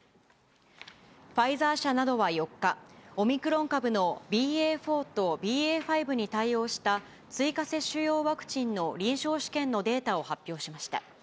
ファイザー社などは４日、オミクロン株のＢＡ．４とＢＡ．５に対応した追加接種用ワクチンの臨床試験のデータを発表しました。